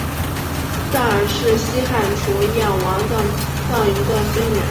臧儿是西汉初燕王臧荼的孙女。